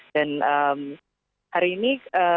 dan hari ini